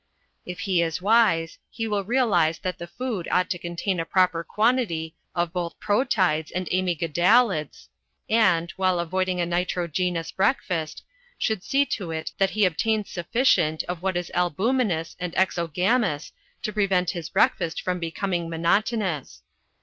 If he is wise he will realise that the food ought to contain a proper quantity of both proteids and amygdaloids, and, while avoiding a nitrogenous breakfast, should see to it that he obtains sufficient of what is albuminous and exogamous to prevent his breakfast from becoming monotonous.